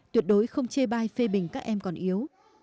tuyệt đối không chê bai phê bình các em còn yếu